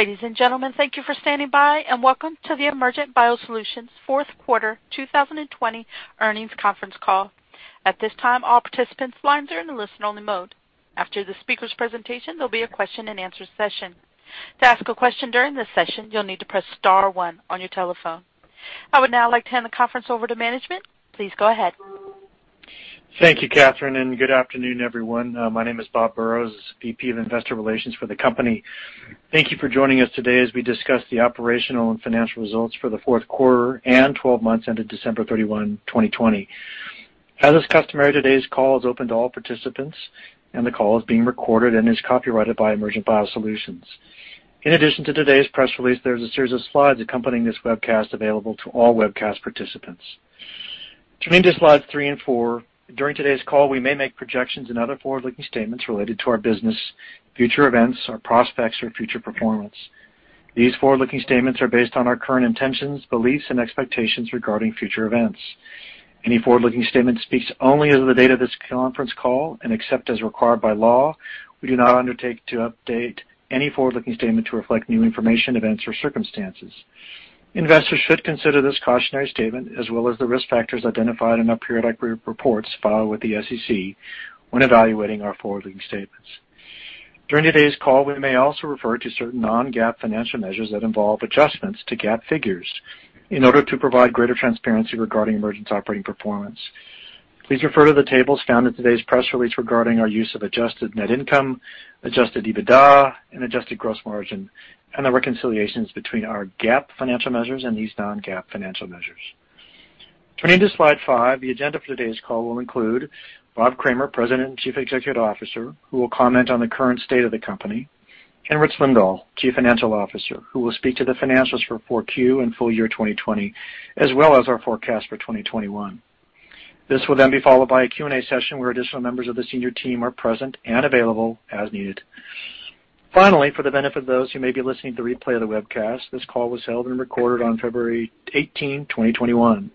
Ladies and gentlemen, thank you for standing by, and welcome to the Emergent BioSolutions Q4 2020 Earnings Conference Call. At this time, all participants' lines are in a listen-only mode. After the speakers' presentation, there will be a question and answer session. To ask a question during this session, you will need to press star one on your telephone. I would now like to hand the conference over to management. Please go ahead. Thank you, Catherine, and good afternoon, everyone. My name is Bob Burrows, VP of Investor Relations for the company. Thank you for joining us today as we discuss the operational and financial results for the Q4 and 12 months ended December 31, 2020. As is customary, today's call is open to all participants, and the call is being recorded and is copyrighted by Emergent BioSolutions. In addition to today's press release, there's a series of slides accompanying this webcast available to all webcast participants. Turning to slides three and four, during today's call, we may make projections and other forward-looking statements related to our business, future events, our prospects, or future performance. These forward-looking statements are based on our current intentions, beliefs, and expectations regarding future events. Any forward-looking statement speaks only as of the date of this conference call, and except as required by law, we do not undertake to update any forward-looking statement to reflect new information, events, or circumstances. Investors should consider this cautionary statement, as well as the risk factors identified in our periodic reports filed with the SEC when evaluating our forward-looking statements. During today's call, we may also refer to certain non-GAAP financial measures that involve adjustments to GAAP figures in order to provide greater transparency regarding Emergent's operating performance. Please refer to the tables found in today's press release regarding our use of adjusted net income, adjusted EBITDA, and adjusted gross margin, and the reconciliations between our GAAP financial measures and these non-GAAP financial measures. Turning to slide five, the agenda for today's call will include Bob Kramer, President and Chief Executive Officer, who will comment on the current state of the company, Rich Lindahl, Chief Financial Officer, who will speak to the financials for 4Q and full-year 2020, as well as our forecast for 2021. This will then be followed by a Q&A session where additional members of the senior team are present and available as needed. Finally, for the benefit of those who may be listening to the replay of the webcast, this call was held and recorded on February 18, 2021.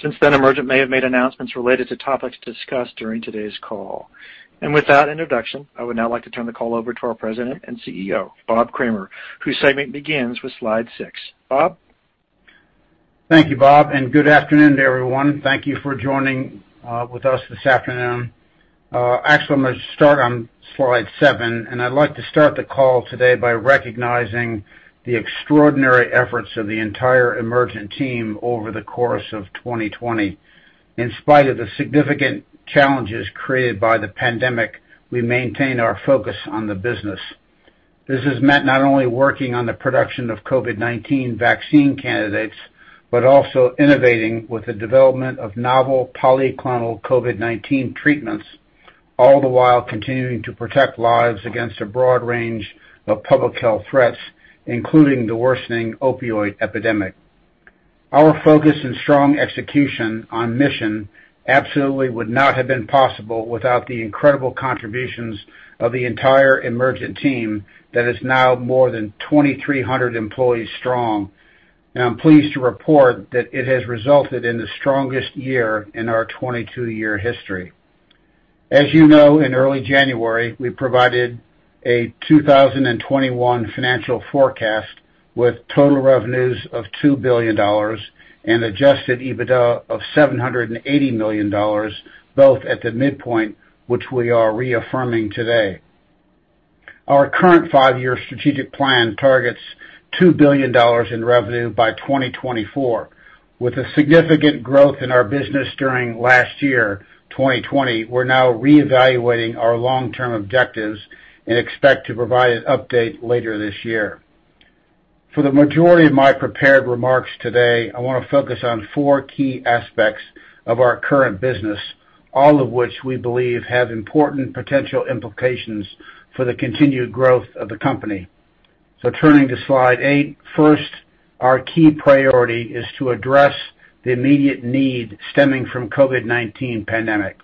Since then, Emergent may have made announcements related to topics discussed during today's call. With that introduction, I would now like to turn the call over to our President and CEO, Bob Kramer, whose segment begins with slide six. Bob? Thank you, Bob. Good afternoon to everyone. Thank you for joining with us this afternoon. Actually, I'm going to start on slide seven, and I'd like to start the call today by recognizing the extraordinary efforts of the entire Emergent team over the course of 2020. In spite of the significant challenges created by the pandemic, we maintained our focus on the business. This has meant not only working on the production of COVID-19 vaccine candidates, but also innovating with the development of novel polyclonal COVID-19 treatments, all the while continuing to protect lives against a broad range of public health threats, including the worsening opioid epidemic. Our focus and strong execution on mission absolutely would not have been possible without the incredible contributions of the entire Emergent team that is now more than 2,300 employees strong. I'm pleased to report that it has resulted in the strongest year in our 22-year history. As you know, in early January, we provided a 2021 financial forecast with total revenues of $2 billion and adjusted EBITDA of $780 million, both at the midpoint, which we are reaffirming today. Our current five-year strategic plan targets $2 billion in revenue by 2024. With a significant growth in our business during last year, 2020, we're now reevaluating our long-term objectives and expect to provide an update later this year. For the majority of my prepared remarks today, I want to focus on four key aspects of our current business, all of which we believe have important potential implications for the continued growth of the company. Turning to slide eight, first, our key priority is to address the immediate need stemming from COVID-19 pandemic.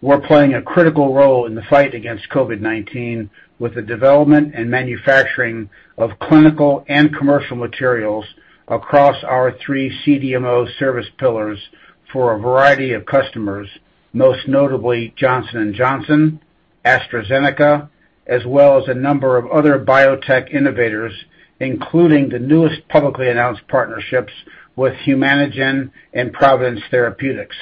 We're playing a critical role in the fight against COVID-19 with the development and manufacturing of clinical and commercial materials across our three CDMO service pillars for a variety of customers, most notably Johnson & Johnson, AstraZeneca, as well as a number of other biotech innovators, including the newest publicly announced partnerships with Humanigen and Providence Therapeutics.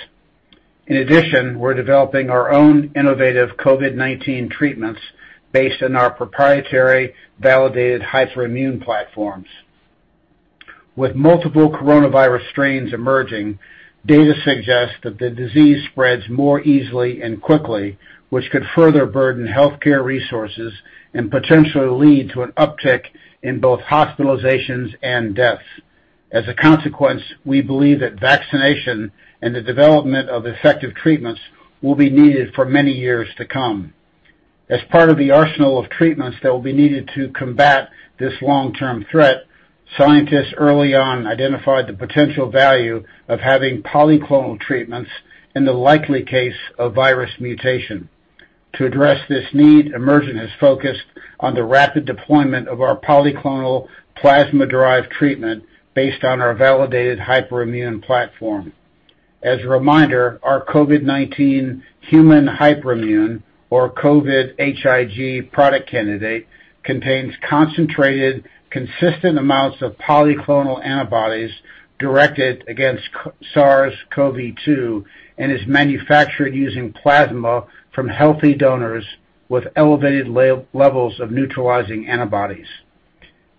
In addition, we're developing our own innovative COVID-19 treatments based on our proprietary validated hyperimmune platforms. With multiple coronavirus strains emerging, data suggests that the disease spreads more easily and quickly, which could further burden healthcare resources and potentially lead to an uptick in both hospitalizations and deaths. As a consequence, we believe that vaccination and the development of effective treatments will be needed for many years to come. As part of the arsenal of treatments that will be needed to combat this long-term threat, scientists early on identified the potential value of having polyclonal treatments in the likely case of virus mutation. To address this need, Emergent has focused on the rapid deployment of our polyclonal plasma-derived treatment based on our validated hyperimmune platform. As a reminder, our COVID-19 human hyperimmune or COVID-HIG product candidate contains concentrated, consistent amounts of polyclonal antibodies directed against SARS-CoV-2 and is manufactured using plasma from healthy donors with elevated levels of neutralizing antibodies.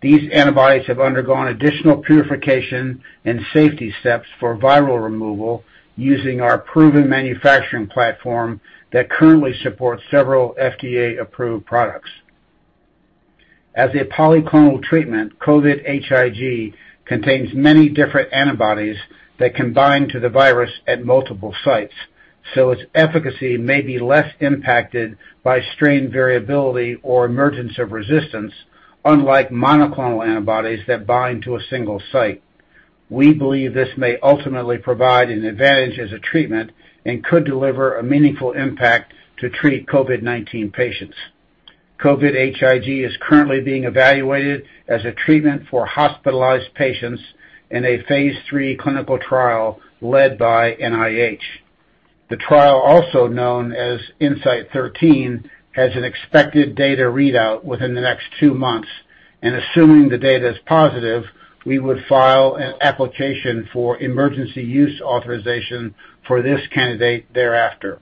These antibodies have undergone additional purification and safety steps for viral removal using our proven manufacturing platform that currently supports several FDA-approved products. As a polyclonal treatment, COVID-HIG contains many different antibodies that can bind to the virus at multiple sites. Its efficacy may be less impacted by strain variability or emergence of resistance, unlike monoclonal antibodies that bind to a single site. We believe this may ultimately provide an advantage as a treatment and could deliver a meaningful impact to treat COVID-19 patients. COVID-HIG is currently being evaluated as a treatment for hospitalized patients in a phase III clinical trial led by NIH. The trial, also known as INSIGHT 013, has an expected data readout within the next two months. Assuming the data is positive, we would file an application for emergency use authorization for this candidate thereafter.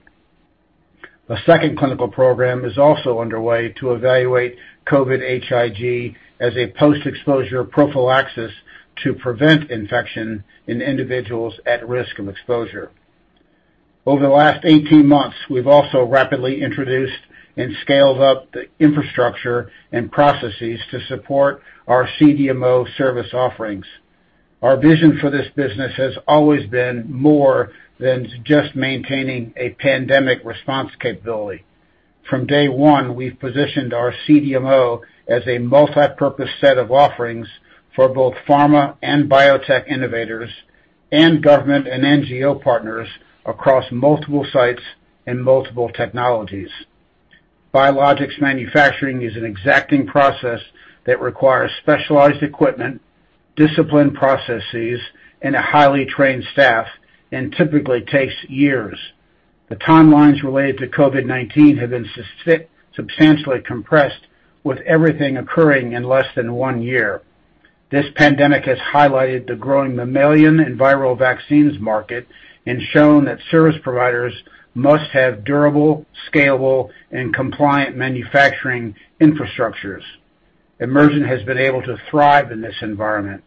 The second clinical program is also underway to evaluate COVID-HIG as a post-exposure prophylaxis to prevent infection in individuals at risk of exposure. Over the last 18 months, we've also rapidly introduced and scaled up the infrastructure and processes to support our CDMO service offerings. Our vision for this business has always been more than just maintaining a pandemic response capability. From day one, we've positioned our CDMO as a multipurpose set of offerings for both pharma and biotech innovators and government and NGO partners across multiple sites and multiple technologies. Biologics manufacturing is an exacting process that requires specialized equipment, disciplined processes, and a highly trained staff, and typically takes years. The timelines related to COVID-19 have been substantially compressed, with everything occurring in less than one year. This pandemic has highlighted the growing mammalian and viral vaccines market and shown that service providers must have durable, scalable, and compliant manufacturing infrastructures. Emergent has been able to thrive in this environment.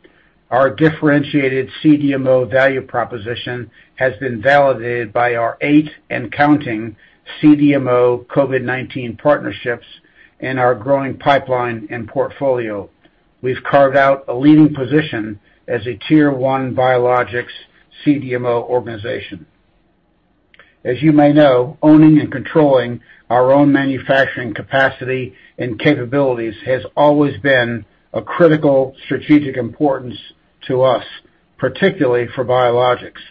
Our differentiated CDMO value proposition has been validated by our eight and counting CDMO COVID-19 partnerships and our growing pipeline and portfolio. We've carved out a leading position as a tier 1 biologics CDMO organization. As you may know, owning and controlling our own manufacturing capacity and capabilities has always been a critical strategic importance to us, particularly for biologics.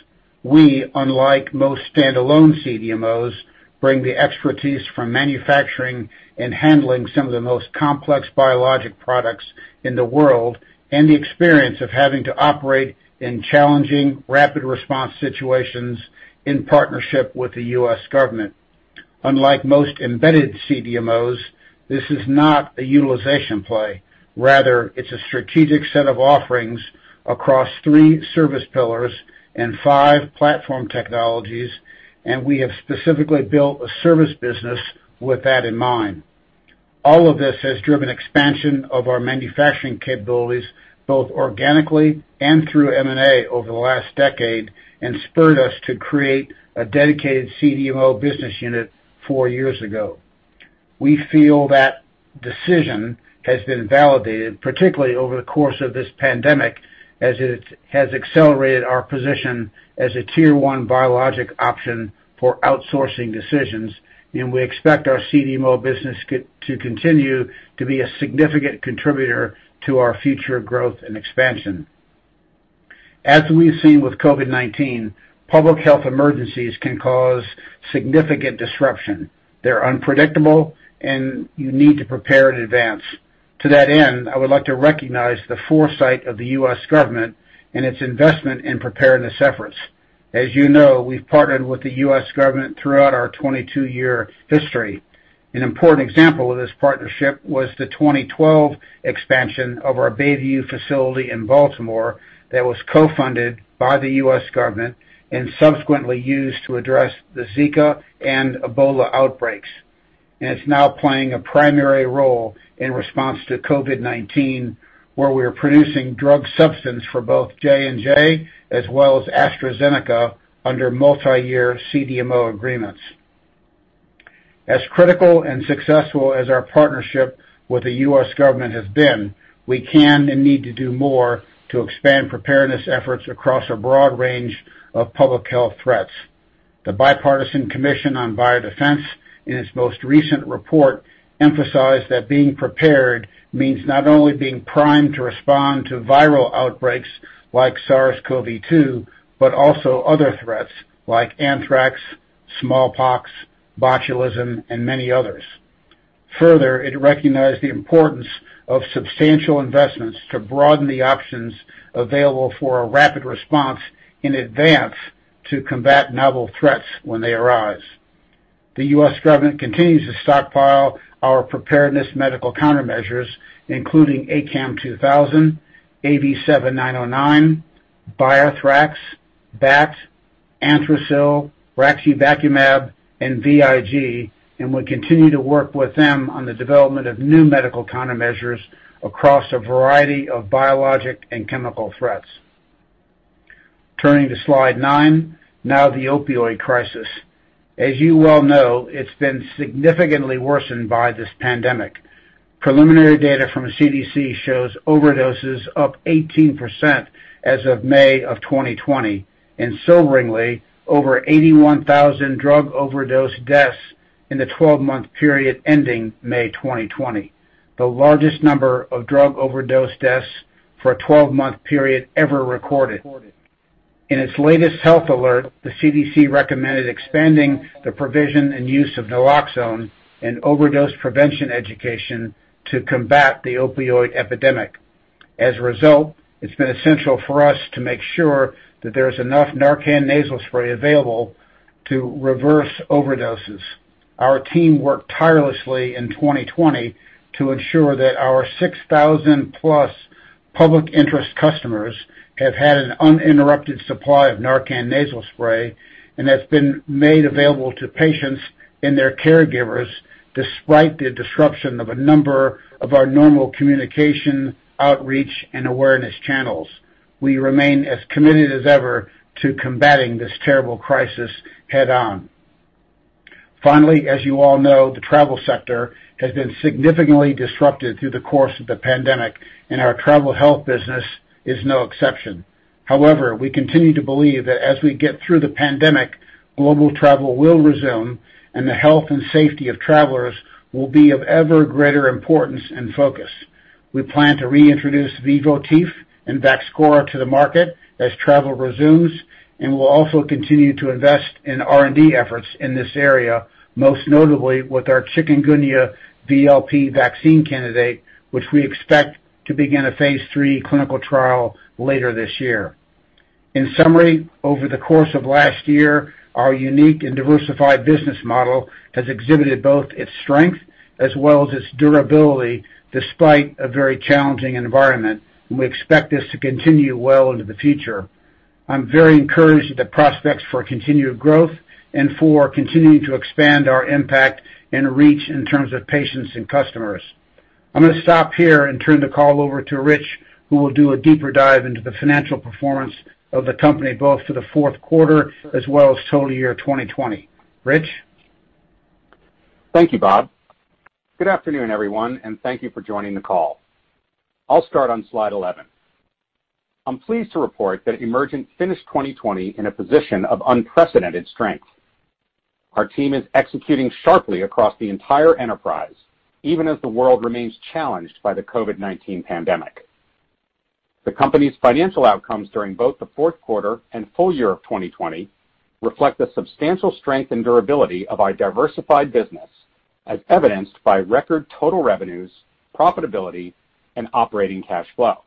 We, unlike most standalone CDMOs, bring the expertise from manufacturing and handling some of the most complex biologic products in the world, and the experience of having to operate in challenging, rapid response situations in partnership with the U.S. government. Unlike most embedded CDMOs, this is not a utilization play. Rather, it's a strategic set of offerings across three service pillars and five platform technologies, and we have specifically built a service business with that in mind. All of this has driven expansion of our manufacturing capabilities, both organically and through M&A over the last decade, and spurred us to create a dedicated CDMO business unit four years ago. We feel that decision has been validated, particularly over the course of this pandemic, as it has accelerated our position as a tier 1 biologic option for outsourcing decisions, and we expect our CDMO business to continue to be a significant contributor to our future growth and expansion. As we've seen with COVID-19, public health emergencies can cause significant disruption. They're unpredictable, and you need to prepare in advance. To that end, I would like to recognize the foresight of the U.S. government and its investment in preparedness efforts. As you know, we've partnered with the U.S. government throughout our 22-year history. An important example of this partnership was the 2012 expansion of our Bayview facility in Baltimore that was co-funded by the U.S. government and subsequently used to address the Zika and Ebola outbreaks. It's now playing a primary role in response to COVID-19, where we're producing drug substance for both J&J as well as AstraZeneca under multiyear CDMO agreements. As critical and successful as our partnership with the U.S. government has been, we can and need to do more to expand preparedness efforts across a broad range of public health threats. The Bipartisan Commission on Biodefense, in its most recent report, emphasized that being prepared means not only being primed to respond to viral outbreaks like SARS-CoV-2, but also other threats like anthrax, smallpox, botulism, and many others. It recognized the importance of substantial investments to broaden the options available for a rapid response in advance to combat novel threats when they arise. The U.S. government continues to stockpile our preparedness medical countermeasures, including ACAM2000, AV7909, BioThrax, BAT, Anthrasil, raxibacumab, and VIGIV, and we continue to work with them on the development of new medical countermeasures across a variety of biologic and chemical threats. Turning to slide nine, now the opioid crisis. As you well know, it's been significantly worsened by this pandemic. Preliminary data from the CDC shows overdoses up 18% as of May 2020, and soberingly, over 81,000 drug overdose deaths in the 12-month period ending May 2020, the largest number of drug overdose deaths for a 12-month period ever recorded. In its latest health alert, the CDC recommended expanding the provision and use of naloxone and overdose prevention education to combat the opioid epidemic. As a result, it's been essential for us to make sure that there's enough NARCAN Nasal Spray available to reverse overdoses. Our team worked tirelessly in 2020 to ensure that our 6,000-plus public interest customers have had an uninterrupted supply of NARCAN Nasal Spray and that's been made available to patients and their caregivers, despite the disruption of a number of our normal communication, outreach, and awareness channels. We remain as committed as ever to combating this terrible crisis head-on. Finally, as you all know, the travel sector has been significantly disrupted through the course of the pandemic, and our travel health business is no exception. However, we continue to believe that as we get through the pandemic, global travel will resume, and the health and safety of travelers will be of ever greater importance and focus. We plan to reintroduce Vivotif and VAXCHORA to the market as travel resumes, and we'll also continue to invest in R&D efforts in this area, most notably with our Chikungunya VLP vaccine candidate, which we expect to begin a phase III clinical trial later this year. In summary, over the course of last year, our unique and diversified business model has exhibited both its strength as well as its durability, despite a very challenging environment, and we expect this to continue well into the future. I'm very encouraged at the prospects for continued growth and for continuing to expand our impact and reach in terms of patients and customers. I'm going to stop here and turn the call over to Rich, who will do a deeper dive into the financial performance of the company, both for the fourth quarter as well as total year 2020. Rich? Thank you, Bob. Good afternoon, everyone, and thank you for joining the call. I'll start on slide 11. I'm pleased to report that Emergent finished 2020 in a position of unprecedented strength. Our team is executing sharply across the entire enterprise, even as the world remains challenged by the COVID-19 pandemic. The company's financial outcomes during both the Q4 and full-year of 2020 reflect the substantial strength and durability of our diversified business, as evidenced by record total revenues, profitability, and operating cash flow.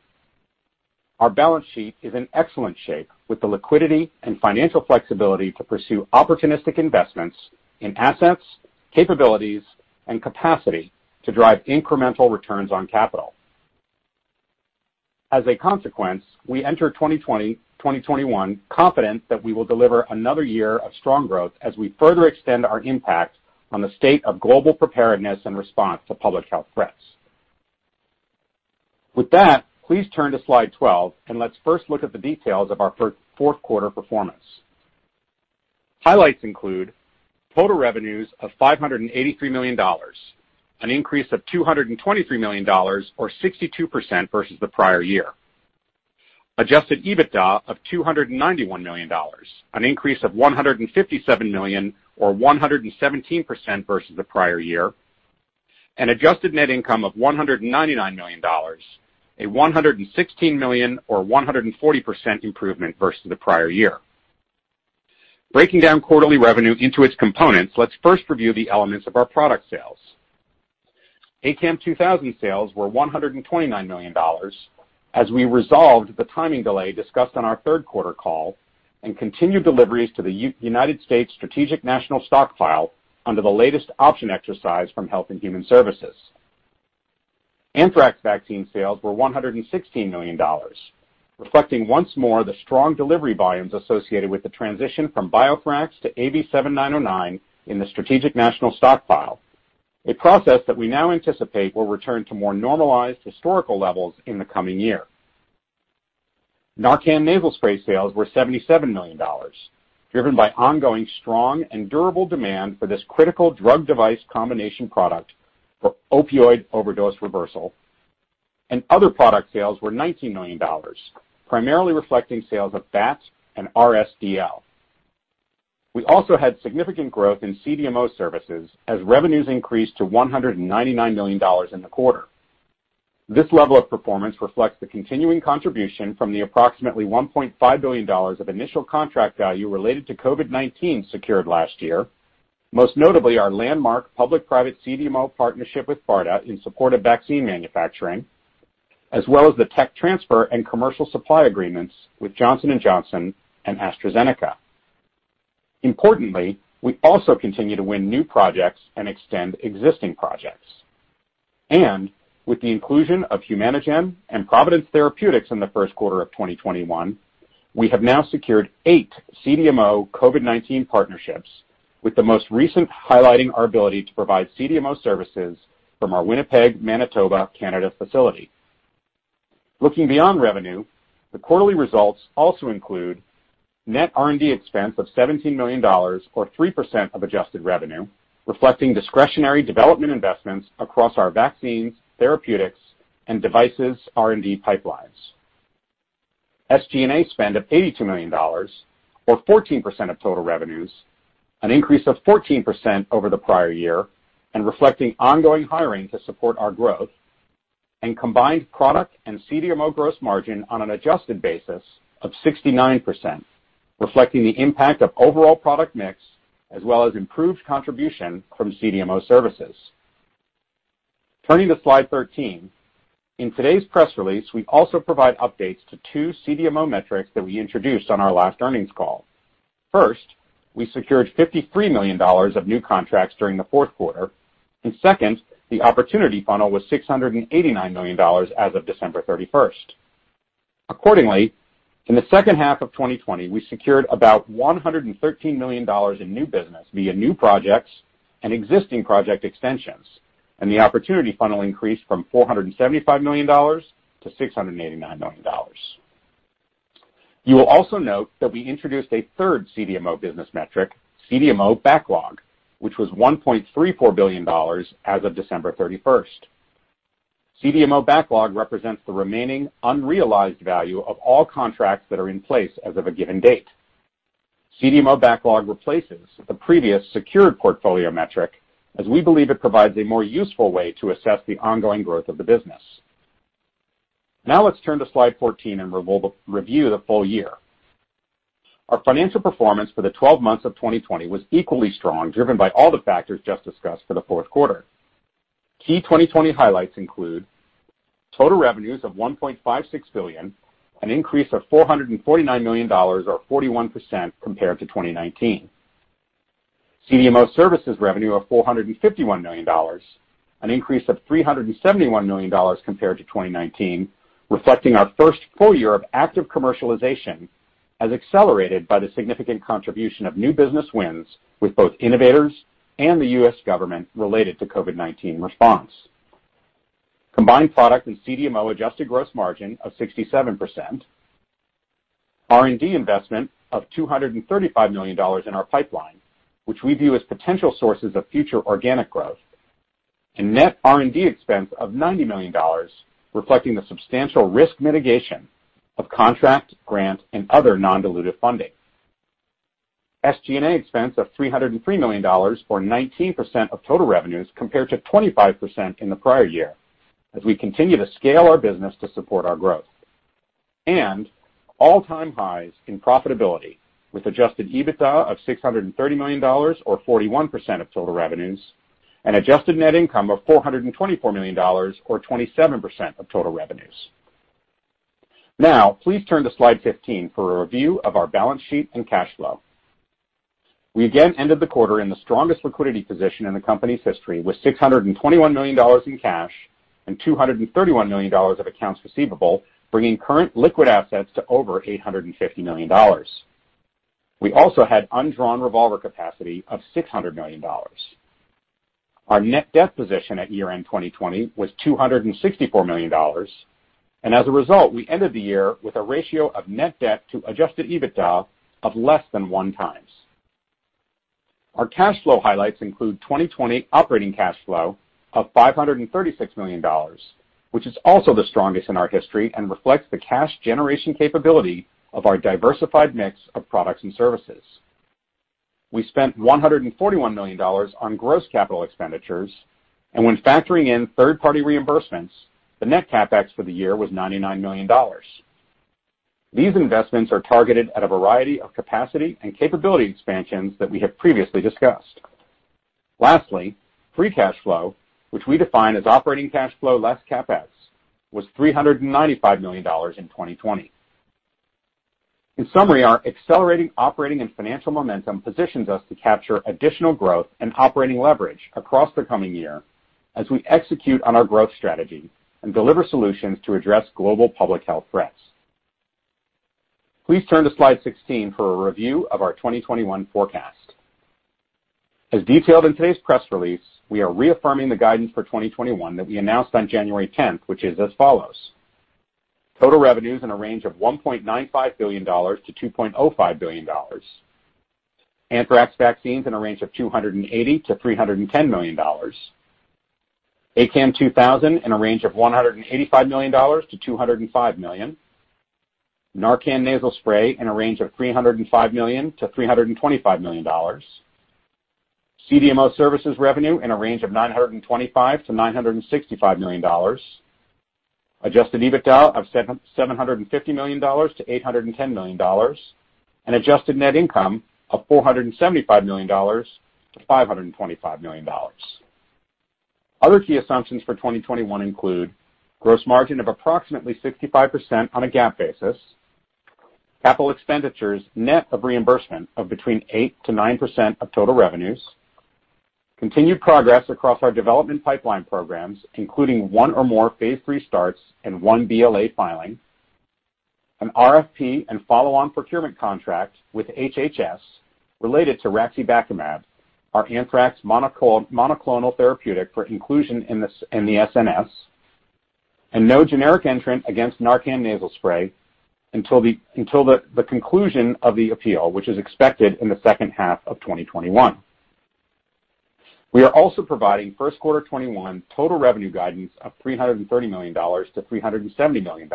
Our balance sheet is in excellent shape, with the liquidity and financial flexibility to pursue opportunistic investments in assets, capabilities, and capacity to drive incremental returns on capital. As a consequence, we enter 2021 confident that we will deliver another year of strong growth as we further extend our impact on the state of global preparedness and response to public health threats. With that, please turn to slide 12. Let's first look at the details of our fourth quarter performance. Highlights include total revenues of $583 million, an increase of $223 million or 62% versus the prior year. Adjusted EBITDA of $291 million, an increase of $157 million, or 117% versus the prior year. An adjusted net income of $199 million, a $116 million or 140% improvement versus the prior year. Breaking down quarterly revenue into its components, let's first review the elements of our product sales. ACAM2000 sales were $129 million as we resolved the timing delay discussed on our third quarter call and continued deliveries to the United States Strategic National Stockpile under the latest option exercise from Health and Human Services. Anthrax vaccine sales were $116 million, reflecting once more the strong delivery volumes associated with the transition from BioThrax to AV7909 in the Strategic National Stockpile, a process that we now anticipate will return to more normalized historical levels in the coming year. NARCAN Nasal Spray sales were $77 million, driven by ongoing strong and durable demand for this critical drug device combination product for opioid overdose reversal. Other product sales were $19 million, primarily reflecting sales of BAT and RSDL. We also had significant growth in CDMO services as revenues increased to $199 million in the quarter. This level of performance reflects the continuing contribution from the approximately $1.5 billion of initial contract value related to COVID-19 secured last year, most notably our landmark public-private CDMO partnership with BARDA in support of vaccine manufacturing, as well as the tech transfer and commercial supply agreements with Johnson & Johnson and AstraZeneca. We also continue to win new projects and extend existing projects. With the inclusion of Humanigen and Providence Therapeutics in the Q1 of 2021, we have now secured eight CDMO COVID-19 partnerships, with the most recent highlighting our ability to provide CDMO services from our Winnipeg, Manitoba, Canada facility. Looking beyond revenue, the quarterly results also include net R&D expense of $17 million, or 3% of adjusted revenue, reflecting discretionary development investments across our vaccines, therapeutics, and devices R&D pipelines. SG&A spend of $82 million, or 14% of total revenues, an increase of 14% over the prior year, reflecting ongoing hiring to support our growth. Combined product and CDMO gross margin on an adjusted basis of 69%, reflecting the impact of overall product mix, as well as improved contribution from CDMO services. Turning to slide 13, in today's press release, we also provide updates to two CDMO metrics that we introduced on our last earnings call. First, we secured $53 million of new contracts during the fourth quarter, and second, the opportunity funnel was $689 million as of December 31st. Accordingly, in the H2 of 2020, we secured about $113 million in new business via new projects and existing project extensions, and the opportunity funnel increased from $475 million-$689 million. You will also note that we introduced a third CDMO business metric, CDMO backlog, which was $1.34 billion as of December 31st. CDMO backlog represents the remaining unrealized value of all contracts that are in place as of a given date. CDMO backlog replaces the previous secured portfolio metric, as we believe it provides a more useful way to assess the ongoing growth of the business. Now let's turn to slide 14 and review the full year. Our financial performance for the 12 months of 2020 was equally strong, driven by all the factors just discussed for the Q4. Key 2020 highlights include total revenues of $1.56 billion, an increase of $449 million or 41% compared to 2019. CDMO services revenue of $451 million, an increase of $371 million compared to 2019, reflecting our first full year of active commercialization as accelerated by the significant contribution of new business wins with both innovators and the U.S. government related to COVID-19 response. Combined product and CDMO adjusted gross margin of 67%. R&D investment of $235 million in our pipeline, which we view as potential sources of future organic growth, and net R&D expense of $90 million, reflecting the substantial risk mitigation of contract, grant, and other non-dilutive funding. SG&A expense of $303 million or 19% of total revenues, compared to 25% in the prior year, as we continue to scale our business to support our growth. All-time highs in profitability, with adjusted EBITDA of $630 million or 41% of total revenues, and adjusted net income of $424 million or 27% of total revenues. Now, please turn to slide 15 for a review of our balance sheet and cash flow. We again ended the quarter in the strongest liquidity position in the company's history, with $621 million in cash and $231 million of accounts receivable, bringing current liquid assets to over $850 million. We also had undrawn revolver capacity of $600 million. Our net debt position at year-end 2020 was $264 million. As a result, we ended the year with a ratio of net debt to adjusted EBITDA of less than one times. Our cash flow highlights include 2020 operating cash flow of $536 million, which is also the strongest in our history and reflects the cash generation capability of our diversified mix of products and services. We spent $141 million on gross capital expenditures, and when factoring in third-party reimbursements, the net CapEx for the year was $99 million. These investments are targeted at a variety of capacity and capability expansions that we have previously discussed. Lastly, free cash flow, which we define as operating cash flow less CapEx, was $395 million in 2020. In summary, our accelerating operating and financial momentum positions us to capture additional growth and operating leverage across the coming year as we execute on our growth strategy and deliver solutions to address global public health threats. Please turn to slide 16 for a review of our 2021 forecast. As detailed in today's press release, we are reaffirming the guidance for 2021 that we announced on January 10th, which is as follows. Total revenues in a range of $1.95 billion-$2.05 billion. Anthrax vaccines in a range of $280 million-$310 million. ACAM2000 in a range of $185 million-$205 million. NARCAN Nasal Spray in a range of $305 million-$325 million. CDMO services revenue in a range of $925 million-$965 million. Adjusted EBITDA of $750 million-$810 million, and adjusted net income of $475 million-$525 million. Other key assumptions for 2021 include gross margin of approximately 65% on a GAAP basis. Capital expenditures net of reimbursement of between 8%-9% of total revenues. Continued progress across our development pipeline programs, including one or more phase III starts and one BLA filing. An RFP and follow-on procurement contract with HHS related to raxibacumab, our anthrax monoclonal therapeutic for inclusion in the SNS, and no generic entrant against NARCAN Nasal Spray until the conclusion of the appeal, which is expected in the H2 of 2021. We are also providing Q1 2021 total revenue guidance of $330 million-$370 million,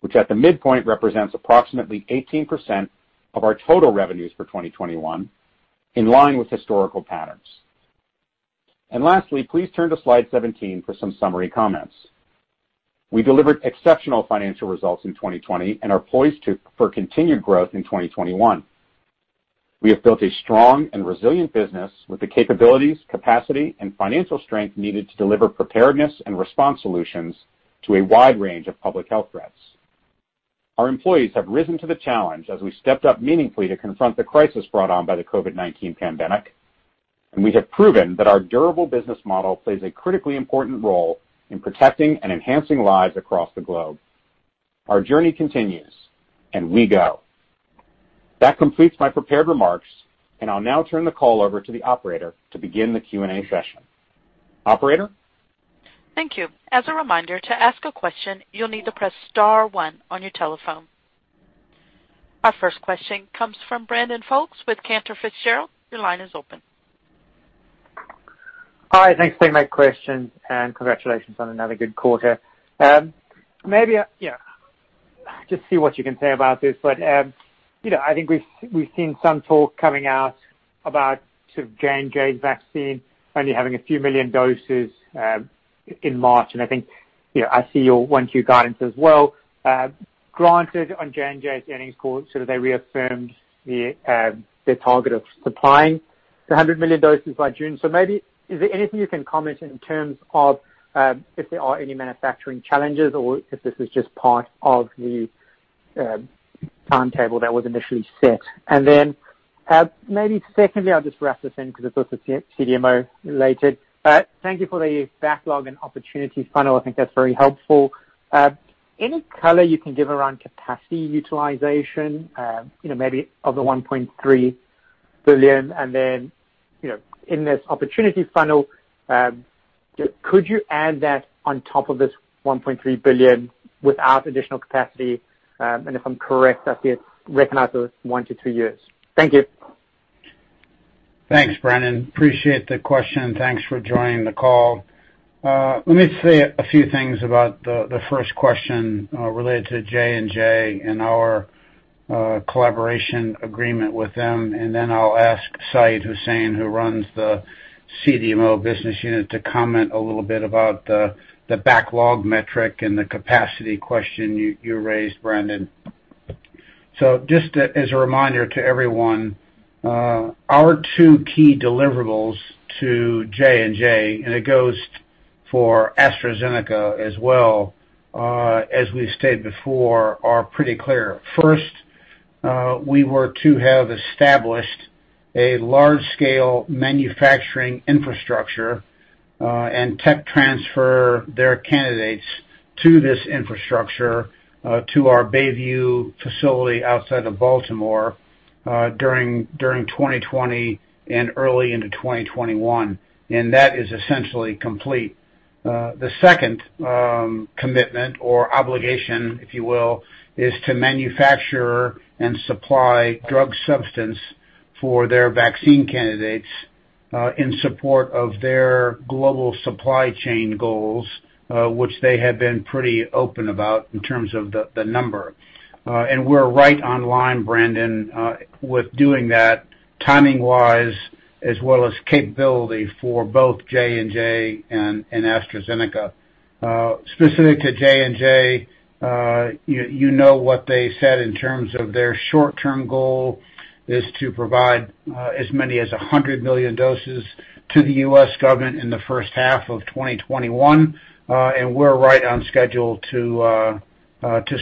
which at the midpoint represents approximately 18% of our total revenues for 2021, in line with historical patterns. Lastly, please turn to slide 17 for some summary comments. We delivered exceptional financial results in 2020 and are poised for continued growth in 2021. We have built a strong and resilient business with the capabilities, capacity, and financial strength needed to deliver preparedness and response solutions to a wide range of public health threats. Our employees have risen to the challenge as we stepped up meaningfully to confront the crisis brought on by the COVID-19 pandemic, and we have proven that our durable business model plays a critically important role in protecting and enhancing lives across the globe. Our journey continues, and we go. That completes my prepared remarks, and I'll now turn the call over to the operator to begin the Q&A session. Operator? Thank you. As a reminder, to ask a question, you'll need to press star one on your telephone. Our first question comes from Brandon Folkes with Cantor Fitzgerald. Your line is open. Hi, thanks for taking my question, and congratulations on another good quarter. Maybe just see what you can say about this, but I think we've seen some talk coming out about J&J's vaccine only having a few million doses in March, and I think I see your 1Q guidance as well. Granted, on J&J's earnings call, they reaffirmed their target of supplying 100 million doses by June. Maybe is there anything you can comment in terms of if there are any manufacturing challenges or if this is just part of the timetable that was initially set? Maybe secondly, I'll just wrap this in because it's also CDMO related. Thank you for the backlog and opportunity funnel. I think that's very helpful. Any color you can give around capacity utilization maybe of the $1.3 billion? In this opportunity funnel could you add that on top of this $1.3 billion without additional capacity? If I'm correct, that's recognized over one-two years. Thank you. Thanks, Brandon. Appreciate the question. Thanks for joining the call. Let me say a few things about the first question related to J&J and our collaboration agreement with them, and then I'll ask Syed Husain, who runs the CDMO business unit, to comment a little bit about the backlog metric and the capacity question you raised, Brandon. Just as a reminder to everyone, our two key deliverables to J&J, and it goes for AstraZeneca as well as we've stated before, are pretty clear. First, we were to have established a large-scale manufacturing infrastructure and tech transfer their candidates to this infrastructure to our Bayview facility outside of Baltimore during 2020 and early into 2021. That is essentially complete. The second commitment or obligation, if you will, is to manufacture and supply drug substance for their vaccine candidates in support of their global supply chain goals which they have been pretty open about in terms of the number. We're right online, Brandon with doing that timing-wise as well as capability for both J&J and AstraZeneca. Specific to J&J, you know what they said in terms of their short-term goal is to provide as many as 100 million doses to the U.S. government in the H1 of 2021, and we're right on schedule to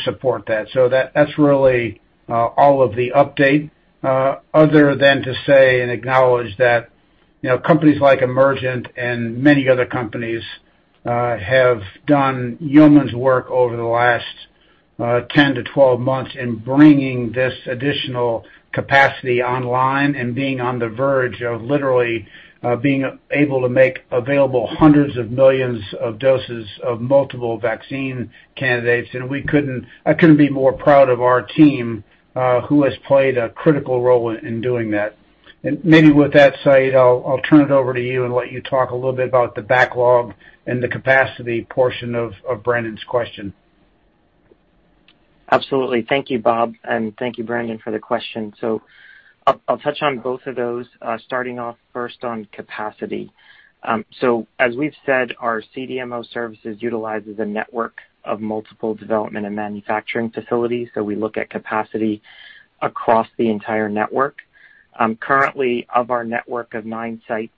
support that. That's really all of the update other than to say and acknowledge that companies like Emergent and many other companies have done yeoman's work over the last 10 to 12 months in bringing this additional capacity online and being on the verge of literally being able to make available hundreds of millions of doses of multiple vaccine candidates. I couldn't be more proud of our team who has played a critical role in doing that. Maybe with that, Syed, I'll turn it over to you and let you talk a little bit about the backlog and the capacity portion of Brandon's question. Absolutely. Thank you, Bob, and thank you, Brandon, for the question. I'll touch on both of those, starting off first on capacity. As we've said, our CDMO services utilizes a network of multiple development and manufacturing facilities, so we look at capacity across the entire network. Currently, of our network of nine sites,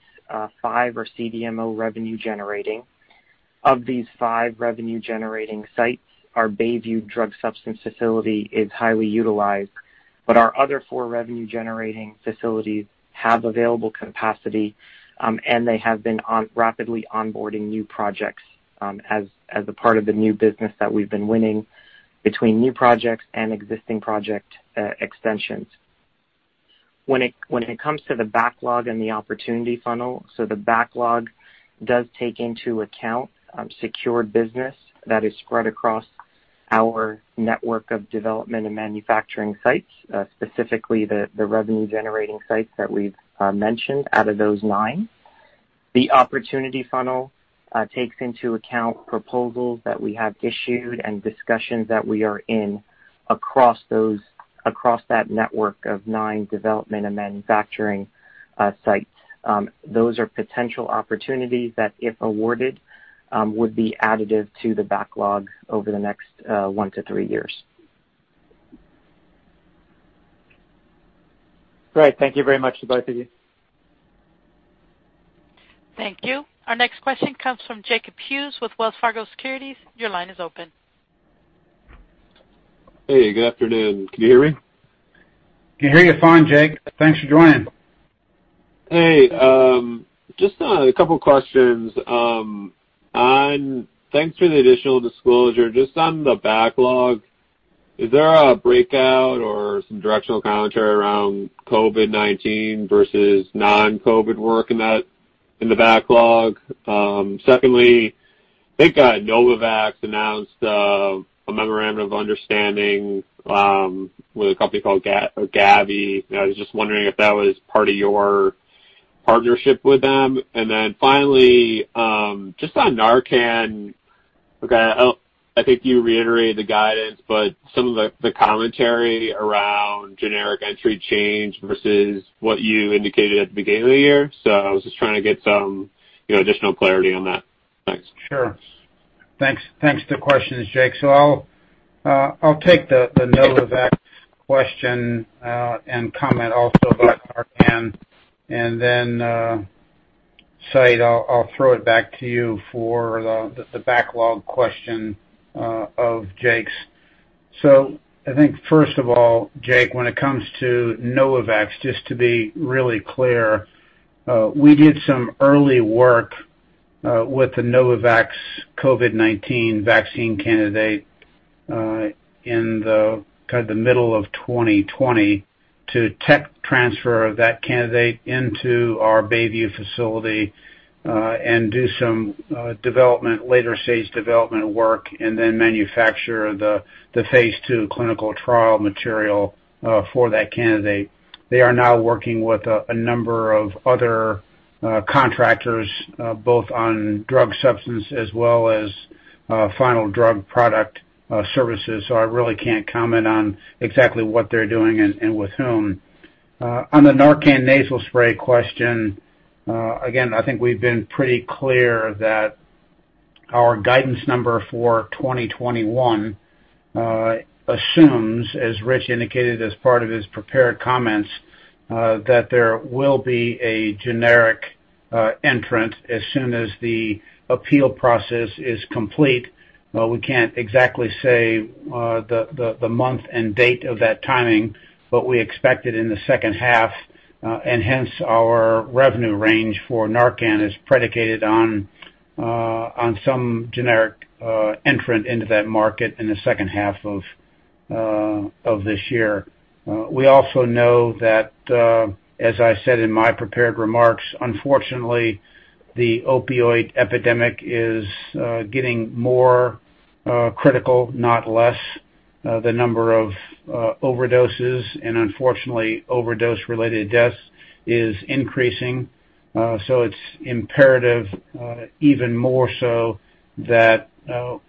five are CDMO revenue generating. Of these five revenue-generating sites, our Bayview drug substance facility is highly utilized. Our other four revenue-generating facilities have available capacity, and they have been rapidly onboarding new projects as a part of the new business that we've been winning between new projects and existing project extensions. When it comes to the backlog and the opportunity funnel, the backlog does take into account secured business that is spread across our network of development and manufacturing sites, specifically the revenue-generating sites that we've mentioned out of those nine. The opportunity funnel takes into account proposals that we have issued and discussions that we are in across that network of nine development and manufacturing sites. Those are potential opportunities that, if awarded, would be additive to the backlog over the next one to three years. Great. Thank you very much to both of you. Thank you. Our next question comes from Jacob Hughes with Wells Fargo Securities. Your line is open. Hey, good afternoon. Can you hear me? can hear you fine, Jake. Thanks for joining. Hey, just a couple of questions. Thanks for the additional disclosure. Just on the backlog, is there a breakout or some directional commentary around COVID-19 versus non-COVID work in the backlog? Secondly, I think Novavax announced a memorandum of understanding with a company called Gavi. I was just wondering if that was part of your partnership with them. Finally, just on NARCAN, I think you reiterated the guidance, but some of the commentary around generic entry change versus what you indicated at the beginning of the year. I was just trying to get some additional clarity on that. Thanks. Sure. Thanks. Thanks for the questions, Jake. I'll take the Novavax question and comment also about NARCAN, and then, Syed, I'll throw it back to you for the backlog question of Jake's. I think, first of all, Jake, when it comes to Novavax, just to be really clear, we did some early work with the Novavax COVID-19 vaccine candidate in the middle of 2020 to tech transfer that candidate into our Bayview facility and do some later stage development work and then manufacture the phase II clinical trial material for that candidate. They are now working with a number of other contractors, both on drug substance as well as final drug product services. I really can't comment on exactly what they're doing and with whom. On the NARCAN Nasal Spray question, again, I think we've been pretty clear that our guidance number for 2021 assumes, as Rich indicated as part of his prepared comments, that there will be a generic entrant as soon as the appeal process is complete. We can't exactly say the month and date of that timing, but we expect it in the second half, hence our revenue range for NARCAN is predicated on some generic entrant into that market in the second half of this year. We also know that, as I said in my prepared remarks, unfortunately, the opioid epidemic is getting more critical, not less. The number of overdoses, unfortunately overdose-related deaths, is increasing. It's imperative, even more so, that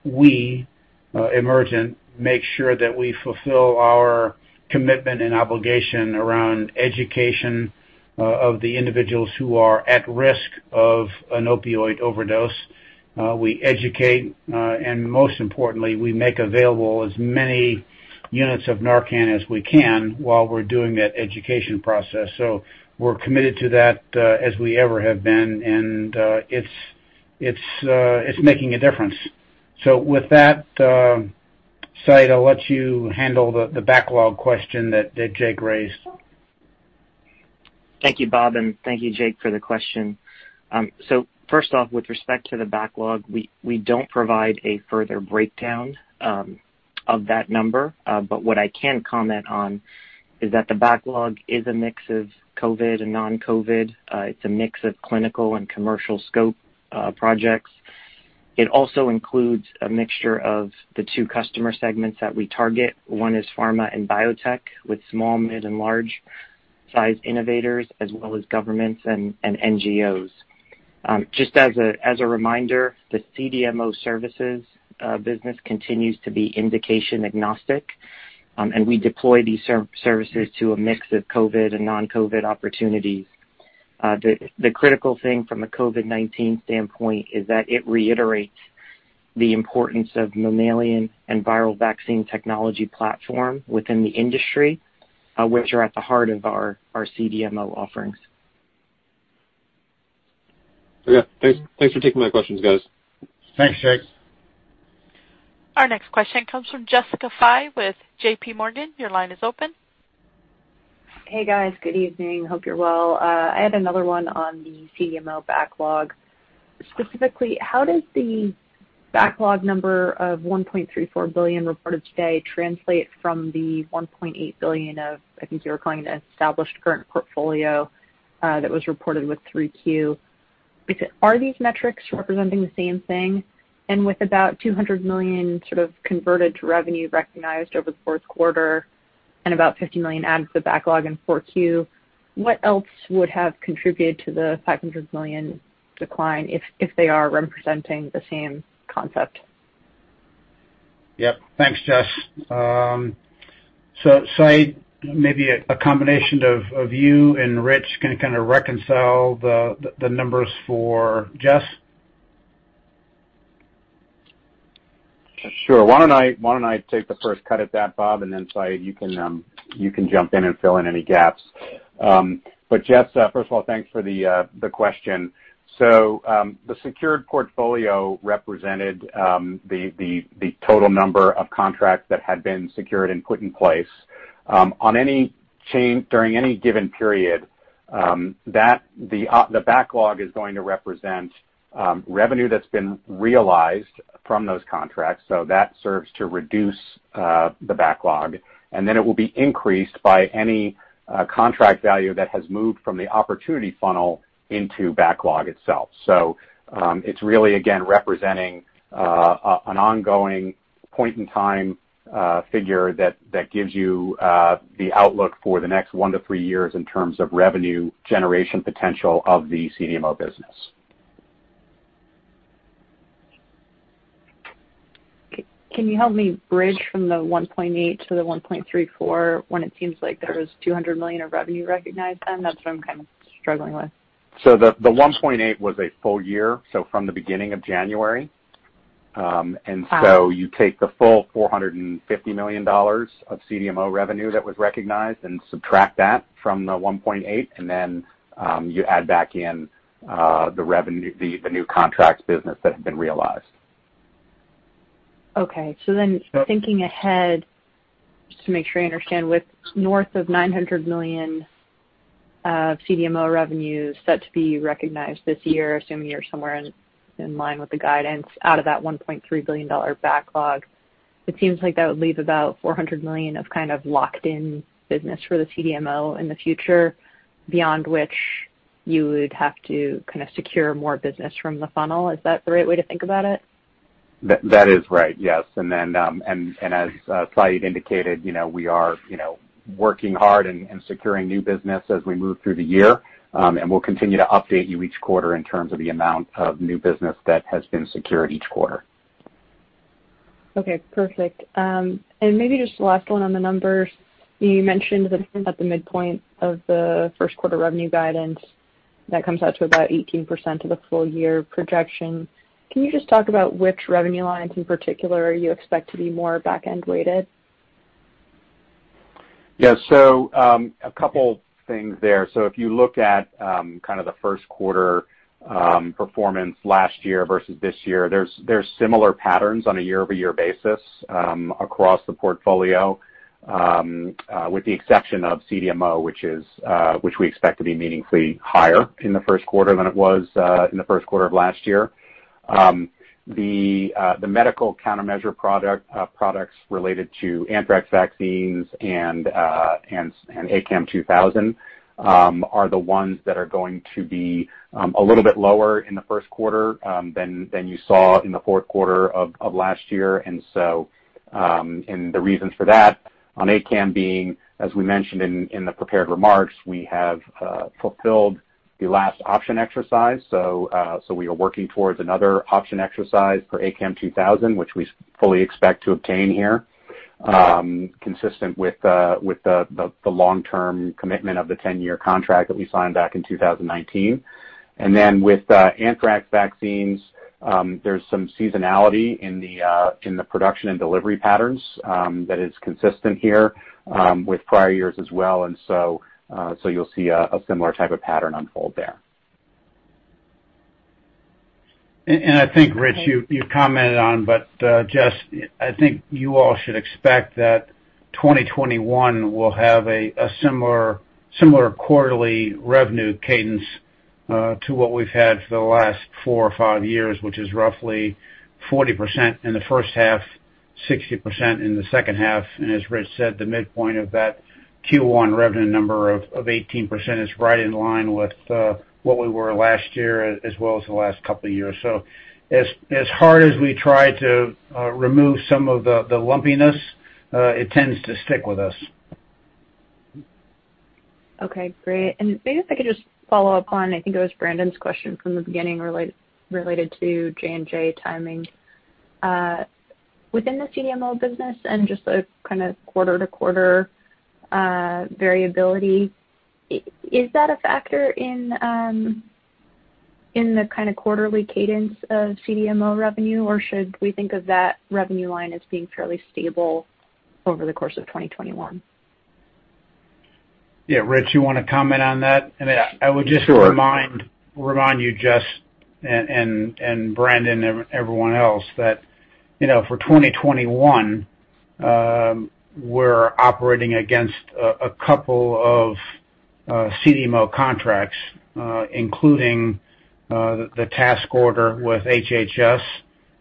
we, Emergent, make sure that we fulfill our commitment and obligation around education of the individuals who are at risk of an opioid overdose. We educate, and most importantly, we make available as many units of NARCAN as we can while we're doing that education process. We're committed to that as we ever have been, and it's making a difference. With that, Syed, I'll let you handle the backlog question that Jacob raised. Thank you, Bob, and thank you, Jake, for the question. First off, with respect to the backlog, we don't provide a further breakdown of that number. What I can comment on is that the backlog is a mix of COVID and non-COVID. It's a mix of clinical and commercial scope projects. It also includes a mixture of the two customer segments that we target. One is pharma and biotech, with small, mid, and large-sized innovators, as well as governments and NGOs. Just as a reminder, the CDMO services business continues to be indication agnostic, and we deploy these services to a mix of COVID and non-COVID opportunities. The critical thing from a COVID-19 standpoint is that it reiterates the importance of mammalian and viral vaccine technology platform within the industry, which are at the heart of our CDMO offerings. Yeah. Thanks for taking my questions, guys. Thanks, Jake. Our next question comes from Jessica Fye with JPMorgan. Your line is open. Hey, guys. Good evening. Hope you're well. I had another one on the CDMO backlog. Specifically, how does the backlog number of $1.34 billion reported today translate from the $1.8 billion of, I think you were calling it established current portfolio, that was reported with 3Q? Are these metrics representing the same thing? With about $200 million sort of converted to revenue recognized over the fourth quarter and about $50 million added to the backlog in 4Q, what else would have contributed to the $500 million decline if they are representing the same concept? Yep. Thanks, Jess. Syed, maybe a combination of you and Rich can kind of reconcile the numbers for Jess. Sure. Why don't I take the first cut at that, Bob, and then Syed, you can jump in and fill in any gaps. Jess, first of all, thanks for the question. The secured portfolio represented the total number of contracts that had been secured and put in place. During any given period, the backlog is going to represent revenue that's been realized from those contracts, so that serves to reduce the backlog, and then it will be increased by any contract value that has moved from the opportunity funnel into backlog itself. It's really, again, representing an ongoing point-in-time figure that gives you the outlook for the next one to three years in terms of revenue generation potential of the CDMO business. Can you help me bridge from the $1.8 billion-$1.34 billion when it seems like there was $200 million of revenue recognized then? That's what I'm kind of struggling with. The $1.8 million was a full-year, so from the beginning of January. You take the full $450 million of CDMO revenue that was recognized and subtract that from the $1.8 million, and then you add back in the new contracts business that had been realized. Thinking ahead, just to make sure I understand, with north of $900 million of CDMO revenues set to be recognized this year, assuming you're somewhere in line with the guidance out of that $1.3 billion backlog, it seems like that would leave about $400 million of kind of locked-in business for the CDMO in the future, beyond which you would have to kind of secure more business from the funnel. Is that the right way to think about it? That is right, yes. As Syed indicated, we are working hard and securing new business as we move through the year. We'll continue to update you each quarter in terms of the amount of new business that has been secured each quarter. Okay, perfect. Maybe just the last one on the numbers. You mentioned at the midpoint of the first quarter revenue guidance, that comes out to about 18% of the full-year projection. Can you just talk about which revenue lines in particular you expect to be more back-end weighted? A couple things there. If you look at kind of the Q1 performance last year versus this year, there's similar patterns on a year-over-year basis across the portfolio, with the exception of CDMO, which we expect to be meaningfully higher in the first quarter than it was in the first quarter of last year. The medical countermeasure products related to anthrax vaccines and ACAM2000 are the ones that are going to be a little bit lower in the Q1 than you saw in the fourth quarter of last year. The reasons for that on ACAM being, as we mentioned in the prepared remarks, we have fulfilled the last option exercise. We are working towards another option exercise for ACAM2000, which we fully expect to obtain here, consistent with the long-term commitment of the 10-year contract that we signed back in 2019. With anthrax vaccines, there's some seasonality in the production and delivery patterns that is consistent here with prior years as well. You'll see a similar type of pattern unfold there. I think, Rich, you commented on, but Jess, I think you all should expect that 2021 will have a similar quarterly revenue cadence to what we've had for the last four or five years, which is roughly 40% in the first half, 60% in the second half. As Rich said, the midpoint of that Q1 revenue number of 18% is right in line with where we were last year as well as the last couple of years. As hard as we try to remove some of the lumpiness, it tends to stick with us. Okay, great. Maybe if I could just follow up on, I think it was Brandon's question from the beginning related to J&J timing. Within the CDMO business and just the kind of quarter-to-quarter variability, is that a factor in the kind of quarterly cadence of CDMO revenue, or should we think of that revenue line as being fairly stable over the course of 2021? Yeah. Rich, you want to comment on that? Sure. I would just remind you, Jess and Brandon and everyone else that for 2021, we're operating against a couple of CDMO contracts, including the task order with HHS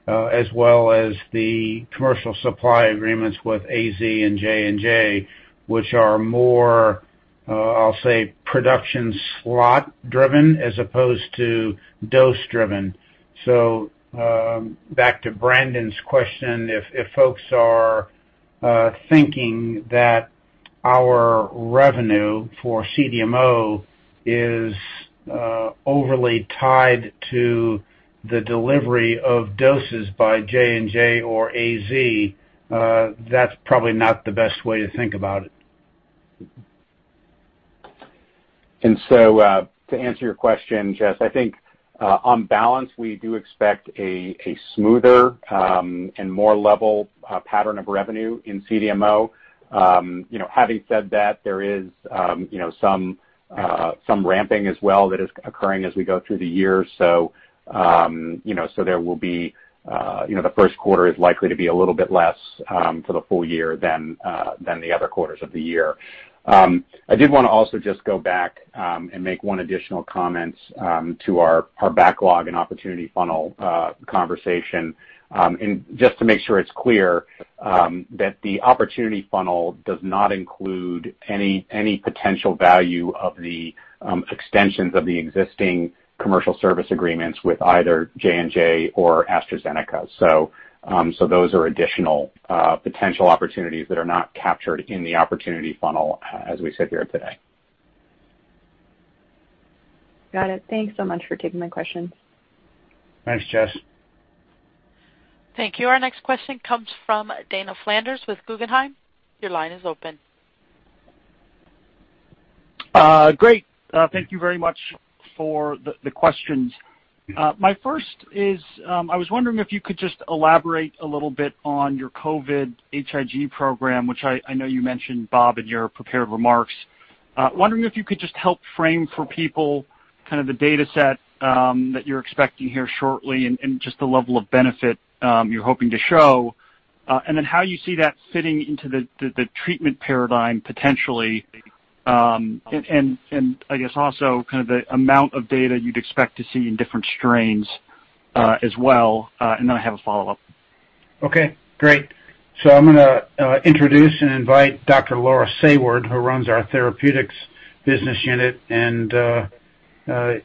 as well as the commercial supply agreements with AZ and J&J, which are more, I'll say, production slot driven as opposed to dose driven. Back to Brandon's question, if folks are thinking that our revenue for CDMO is overly tied to the delivery of doses by J&J or AZ, that's probably not the best way to think about it. To answer your question, Jess, I think on balance, we do expect a smoother and more level pattern of revenue in CDMO. Having said that, there is some ramping as well that is occurring as we go through the year, so the first quarter is likely to be a little bit less for the full year than the other quarters of the year. I did want to also just go back and make one additional comment to our backlog and opportunity funnel conversation. Just to make sure it's clear, that the opportunity funnel does not include any potential value of the extensions of the existing commercial service agreements with either J&J or AstraZeneca. Those are additional potential opportunities that are not captured in the opportunity funnel as we sit here today. Got it. Thanks so much for taking my question. Thanks, Jess. Thank you. Our next question comes from Dana Flanders with Guggenheim. Your line is open. Great. Thank you very much for the questions. My first is, I was wondering if you could just elaborate a little bit on your COVID-HIG program, which I know you mentioned, Bob, in your prepared remarks. Wondering if you could just help frame for people kind of the data set that you're expecting here shortly and just the level of benefit you're hoping to show, and then how you see that fitting into the treatment paradigm potentially. I guess also kind of the amount of data you'd expect to see in different strains as well. Then I have a follow-up. Okay, great. I'm going to introduce and invite Dr. Laura Saward, who runs our Therapeutics Business Unit and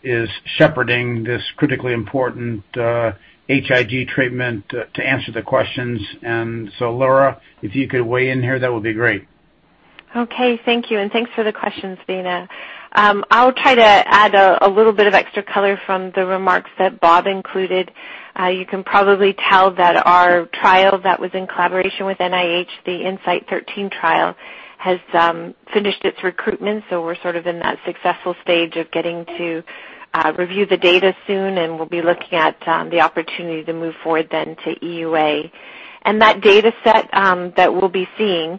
is shepherding this critically important HIG treatment to answer the questions. Laura, if you could weigh in here, that would be great. Okay. Thank you, and thanks for the questions, Dana. I'll try to add a little bit of extra color from the remarks that Bob included. You can probably tell that our trial that was in collaboration with NIH, the INSIGHT 013 trial, has finished its recruitment, so we're sort of in that successful stage of getting to review the data soon, and we'll be looking at the opportunity to move forward then to EUA. That data set that we'll be seeing,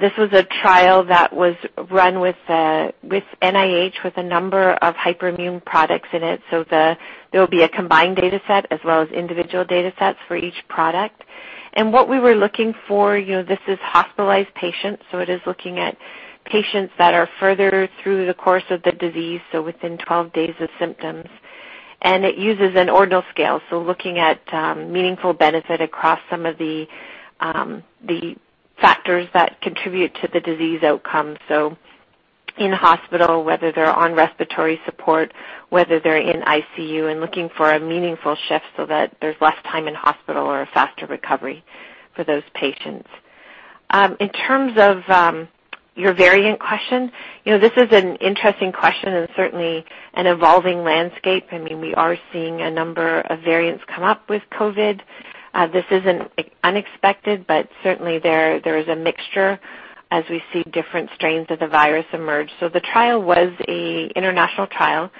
this was a trial that was run with NIH, with a number of hyperimmune products in it. There will be a combined data set as well as individual data sets for each product. What we were looking for, this is hospitalized patients, so it is looking at patients that are further through the course of the disease, so within 12 days of symptoms. It uses an ordinal scale, so looking at meaningful benefit across some of the factors that contribute to the disease outcome. In hospital, whether they're on respiratory support, whether they're in ICU and looking for a meaningful shift so that there's less time in hospital or a faster recovery for those patients. In terms of your variant question, this is an interesting question and certainly an evolving landscape. We are seeing a number of variants come up with COVID. This isn't unexpected, but certainly there is a mixture as we see different strains of the virus emerge. The trial was an international trial,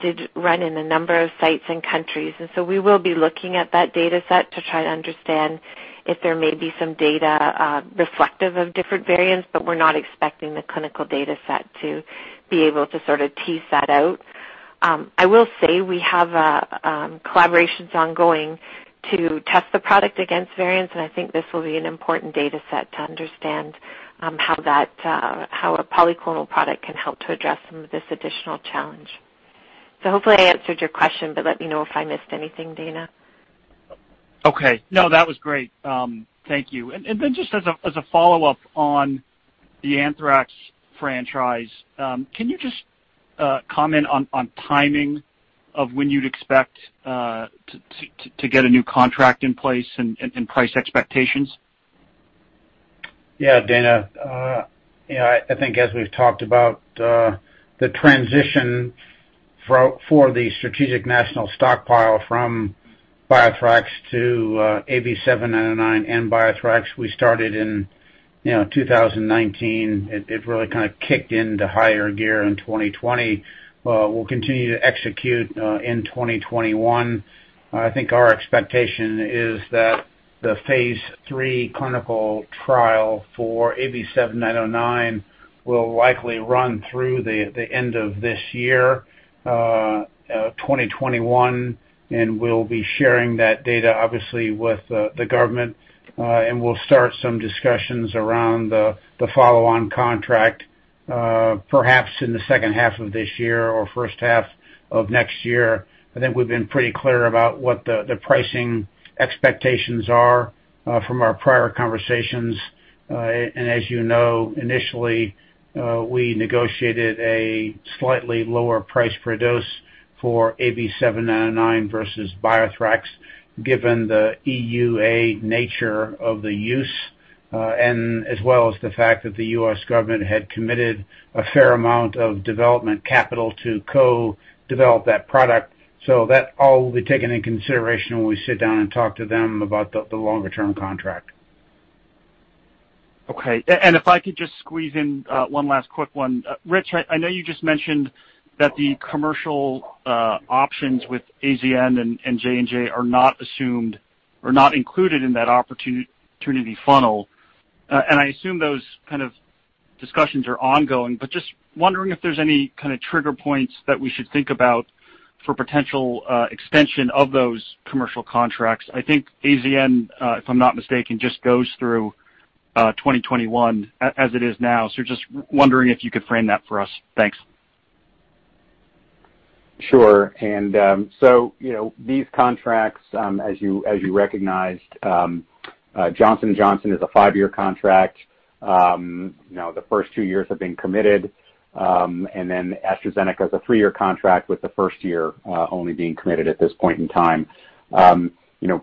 did run in a number of sites and countries, and so we will be looking at that data set to try to understand if there may be some data reflective of different variants, but we're not expecting the clinical data set to be able to sort of tease that out. I will say we have collaborations ongoing to test the product against variants. I think this will be an important data set to understand how a polyclonal product can help to address some of this additional challenge. Hopefully I answered your question, but let me know if I missed anything, Dana. Okay. No, that was great. Thank you. Then just as a follow-up on the anthrax franchise, can you just comment on timing of when you'd expect to get a new contract in place and price expectations? Dana. I think as we've talked about the transition for the Strategic National Stockpile from BioThrax to AV7909 and BioThrax, we started in 2019. It really kind of kicked into higher gear in 2020. We'll continue to execute in 2021. I think our expectation is that the phase III clinical trial for AV7909 will likely run through the end of this year, 2021. We'll be sharing that data obviously with the government. We'll start some discussions around the follow-on contract perhaps in the second half of this year or first half of next year. I think we've been pretty clear about what the pricing expectations are from our prior conversations. As you know, initially, we negotiated a slightly lower price per dose for AV7909 versus BioThrax, given the EUA nature of the use, and as well as the fact that the U.S. government had committed a fair amount of development capital to co-develop that product. That all will be taken into consideration when we sit down and talk to them about the longer-term contract. Okay. If I could just squeeze in one last quick one. Rich, I know you just mentioned that the commercial options with AstraZeneca and J&J are not assumed or not included in that opportunity funnel. I assume those kind of discussions are ongoing, but just wondering if there's any kind of trigger points that we should think about for potential extension of those commercial contracts. I think AstraZeneca, if I'm not mistaken, just goes through 2021 as it is now. Just wondering if you could frame that for us. Thanks. Sure. These contracts, as you recognized, Johnson & Johnson is a five-year contract. The first two years have been committed. AstraZeneca is a three-year contract with the first year only being committed at this point in time.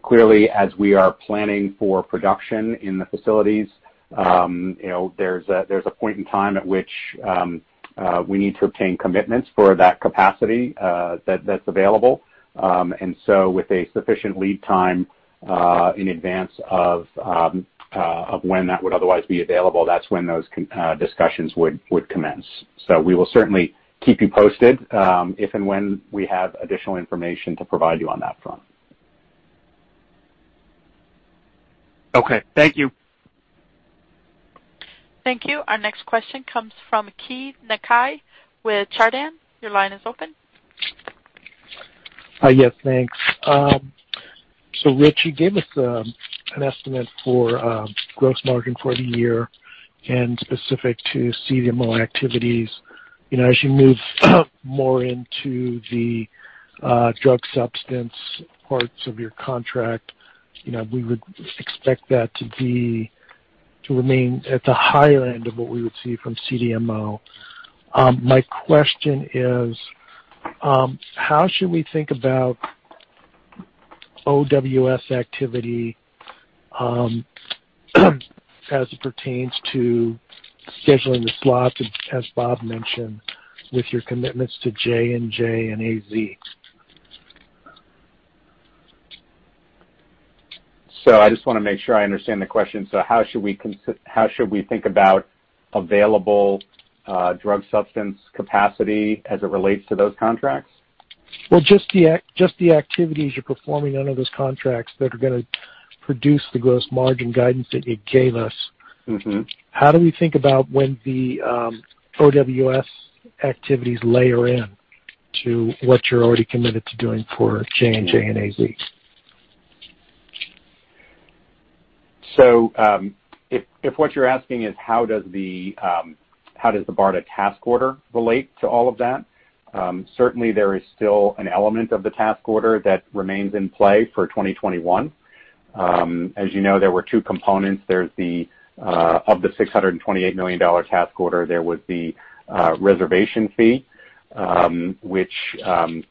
Clearly, as we are planning for production in the facilities, there's a point in time at which we need to obtain commitments for that capacity that's available. With a sufficient lead time in advance of when that would otherwise be available, that's when those discussions would commence. We will certainly keep you posted if and when we have additional information to provide you on that front. Okay. Thank you. Thank you. Our next question comes from Keay Nakae with Chardan. Your line is open. Yes, thanks. Rich, you gave us an estimate for gross margin for the year and specific to CDMO activities. As you move more into the drug substance parts of your contract, we would expect that to remain at the higher end of what we would see from CDMO. My question is, how should we think about OWS activity as it pertains to scheduling the slots, as Bob mentioned, with your commitments to J&J and AZ? I just want to make sure I understand the question. How should we think about available drug substance capacity as it relates to those contracts? Well, just the activities you're performing under those contracts that are going to produce the gross margin guidance that you gave us. How do we think about when the OWS activities layer in to what you're already committed to doing for J&J and AZ? If what you're asking is how does the BARDA task order relate to all of that, certainly there is still an element of the task order that remains in play for 2021. As you know, there were two components. Of the $628 million task order, there was the reservation fee, which is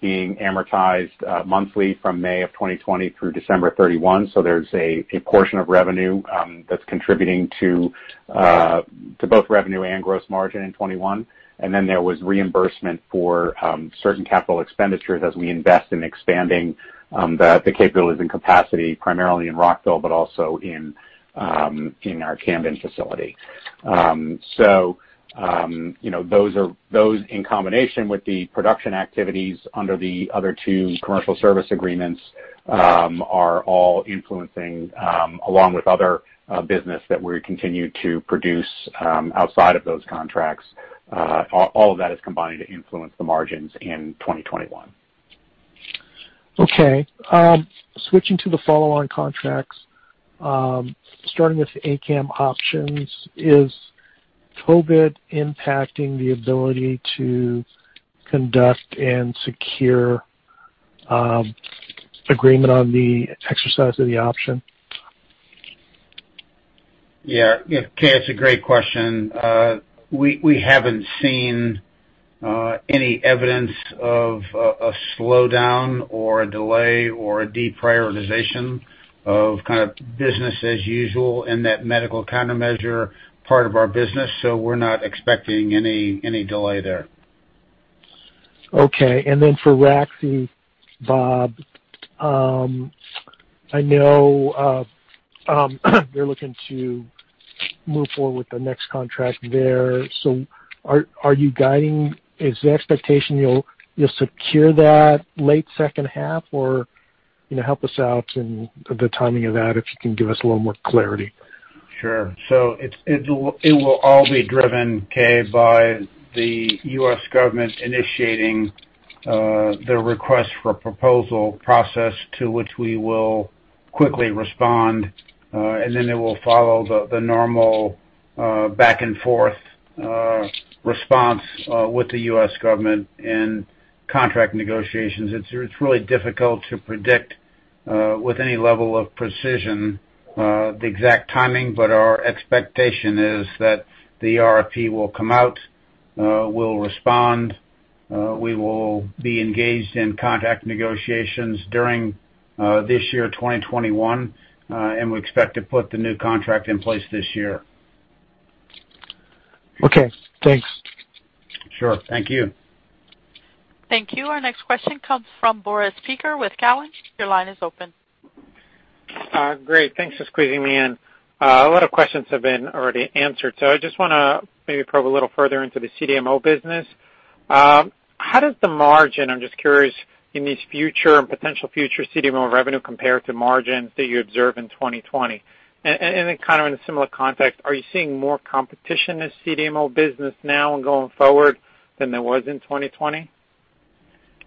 being amortized monthly from May of 2020 through December 31. There's a portion of revenue that's contributing to both revenue and gross margin in 2021. There was reimbursement for certain capital expenditures as we invest in expanding the capabilities and capacity, primarily in Rockville, but also in our Camden facility. Those in combination with the production activities under the other two commercial service agreements are all influencing, along with other business that we continue to produce outside of those contracts. All of that is combining to influence the margins in 2021. Okay. Switching to the follow-on contracts, starting with ACAM options, is COVID impacting the ability to conduct and secure agreement on the exercise of the option? Yeah, Keay, that's a great question. We haven't seen any evidence of a slowdown or a delay or a deprioritization of business as usual in that medical countermeasure part of our business. We're not expecting any delay there. For raxibacumab, Bob, I know they're looking to move forward with the next contract there. Are you guiding, is the expectation you'll secure that late second half? Help us out in the timing of that, if you can give us a little more clarity. Sure. It will all be driven, Keay, by the U.S. government initiating their request for proposal process to which we will quickly respond, then it will follow the normal back and forth response with the U.S. government and contract negotiations. It's really difficult to predict with any level of precision the exact timing, our expectation is that the RFP will come out, we'll respond, we will be engaged in contract negotiations during this year, 2021, we expect to put the new contract in place this year. Okay, thanks. Sure. Thank you. Thank you. Our next question comes from Boris Peaker with Cowen. Your line is open. Great. Thanks for squeezing me in. A lot of questions have been already answered, so I just want to maybe probe a little further into the CDMO business. How does the margin, I'm just curious, in these future and potential future CDMO revenue compare to margins that you observe in 2020? In a similar context, are you seeing more competition in CDMO business now and going forward than there was in 2020?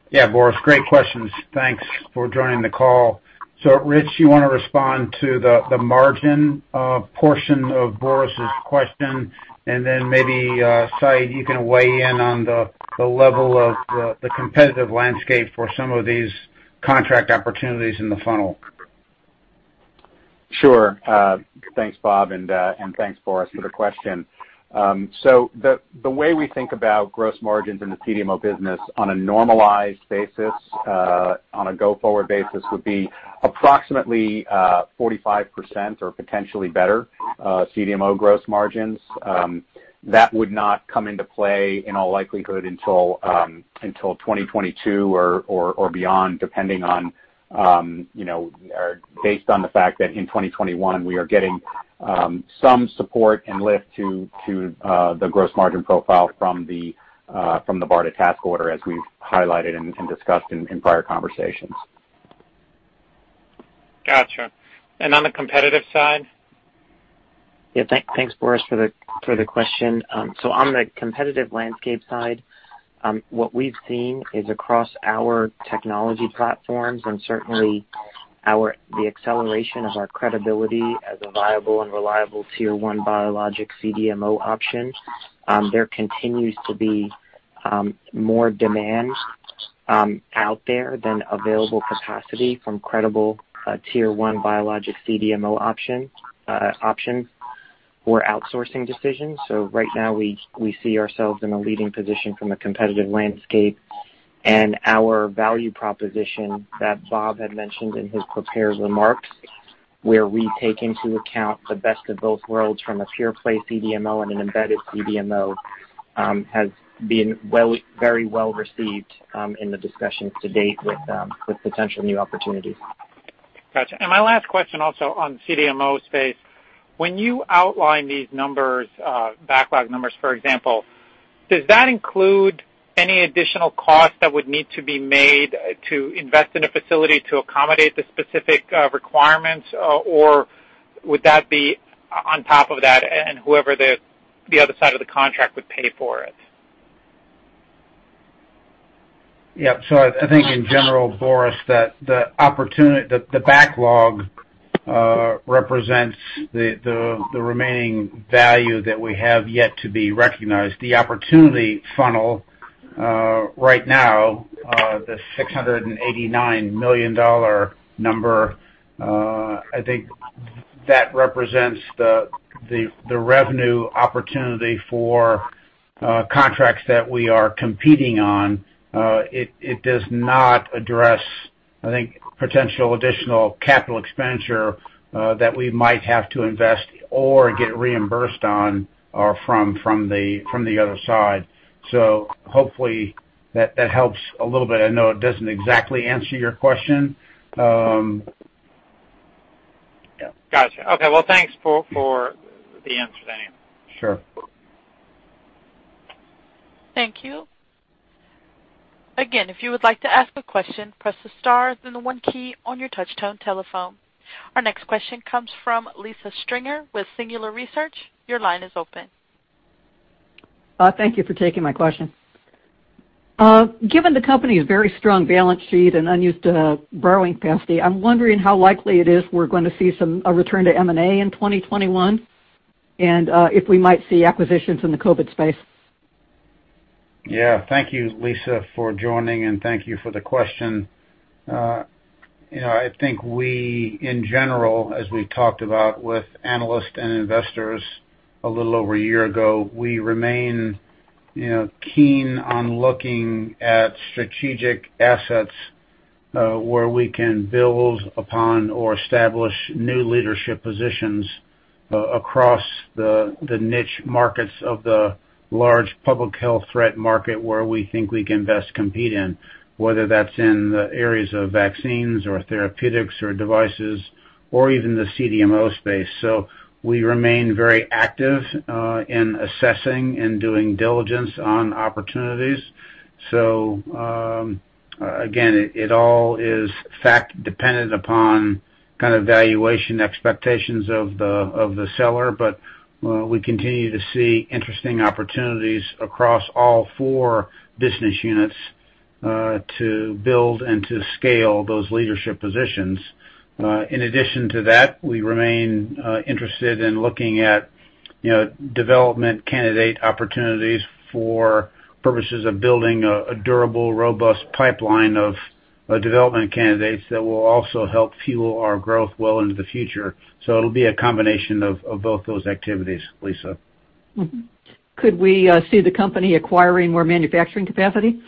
Yeah, Boris, great questions. Thanks for joining the call. Rich, you want to respond to the margin portion of Boris' question, and then maybe, Syed, you can weigh in on the level of the competitive landscape for some of these contract opportunities in the funnel. Sure. Thanks, Bob, and thanks, Boris, for the question. The way we think about gross margins in the CDMO business on a normalized basis, on a go-forward basis, would be approximately 45% or potentially better CDMO gross margins. That would not come into play, in all likelihood, until 2022 or beyond. Based on the fact that in 2021, we are getting some support and lift to the gross margin profile from the BARDA task order, as we've highlighted and discussed in prior conversations. Got you. On the competitive side? Yeah. Thanks, Boris, for the question. On the competitive landscape side, what we've seen is across our technology platforms and certainly the acceleration of our credibility as a viable and reliable tier 1 biologic CDMO option, there continues to be more demand out there than available capacity from credible tier 1 biologic CDMO options for outsourcing decisions. Right now we see ourselves in a leading position from a competitive landscape, and our value proposition that Bob had mentioned in his prepared remarks, where we take into account the best of both worlds from a pure play CDMO and an embedded CDMO has been very well received in the discussions to date with potential new opportunities. Got you. My last question, also on CDMO space, when you outline these numbers, backlog numbers, for example, does that include any additional cost that would need to be made to invest in a facility to accommodate the specific requirements, or would that be on top of that, and whoever the other side of the contract would pay for it? Yeah. I think in general, Boris, that the backlog represents the remaining value that we have yet to be recognized. The opportunity funnel right now, the $689 million number, I think that represents the revenue opportunity for contracts that we are competing on. It does not address, I think, potential additional capital expenditure that we might have to invest or get reimbursed on from the other side. Hopefully that helps a little bit. I know it doesn't exactly answer your question. Yeah. Got you. Okay. Well, thanks for the answer then. Sure. Thank you. Our next question comes from Lisa Springer with Singular Research. Thank you for taking my question. Given the company's very strong balance sheet and unused borrowing capacity, I'm wondering how likely it is we're going to see a return to M&A in 2021, and if we might see acquisitions in the COVID space. Thank you, Lisa, for joining, and thank you for the question. I think we, in general, as we talked about with analysts and investors a little over a year ago, we remain keen on looking at strategic assets where we can build upon or establish new leadership positions across the niche markets of the large public health threat market where we think we can best compete in, whether that's in the areas of vaccines or therapeutics or devices, or even the CDMO space. We remain very active in assessing and doing diligence on opportunities. Again, it all is fact dependent upon kind of valuation expectations of the seller, but we continue to see interesting opportunities across all four business units to build and to scale those leadership positions. In addition to that, we remain interested in looking at development candidate opportunities for purposes of building a durable, robust pipeline of development candidates that will also help fuel our growth well into the future. It'll be a combination of both those activities, Lisa. Could we see the company acquiring more manufacturing capacity?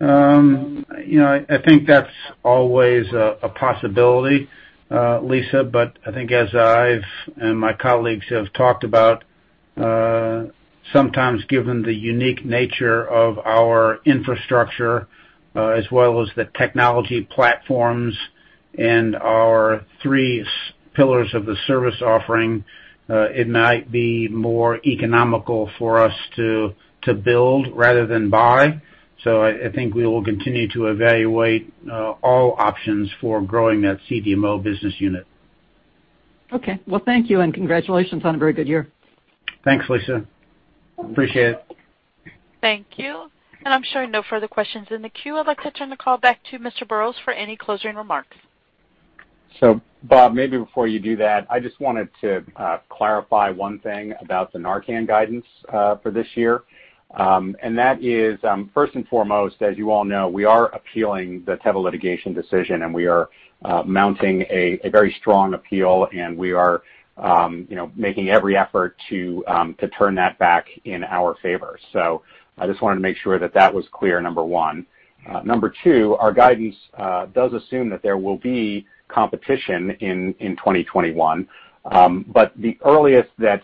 I think that's always a possibility, Lisa, but I think as I've, and my colleagues have talked about, sometimes given the unique nature of our infrastructure, as well as the technology platforms and our three pillars of the service offering, it might be more economical for us to build rather than buy. I think we will continue to evaluate all options for growing that CDMO business unit. Okay. Well, thank you, and congratulations on a very good year. Thanks, Lisa. Appreciate it. Thank you. I'm showing no further questions in the queue. I'd like to turn the call back to Mr. Burrows for any closing remarks. Bob, maybe before you do that, I just wanted to clarify one thing about the NARCAN guidance for this year. That is, first and foremost, as you all know, we are appealing the Teva litigation decision, and we are mounting a very strong appeal, and we are making every effort to turn that back in our favor. I just wanted to make sure that that was clear, number one. Number two, our guidance does assume that there will be competition in 2021. The earliest that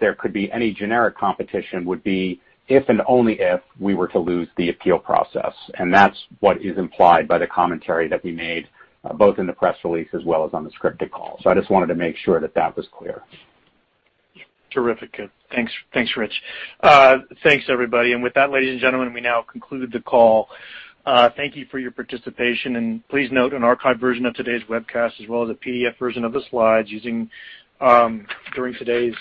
there could be any generic competition would be if and only if we were to lose the appeal process. That's what is implied by the commentary that we made, both in the press release as well as on the scripted call. I just wanted to make sure that that was clear. Terrific. Thanks, Rich. Thanks, everybody. With that, ladies and gentlemen, we now conclude the call. Thank you for your participation, and please note an archived version of today's webcast as well as a PDF version of the slides during today's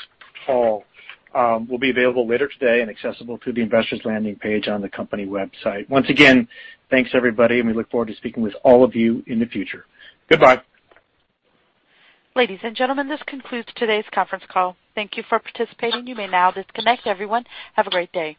call will be available later today and accessible through the investors landing page on the company website. Once again, thanks everybody, and we look forward to speaking with all of you in the future. Goodbye. Ladies and gentlemen, this concludes today's conference call. Thank you for participating. You may now disconnect. Everyone, have a great day.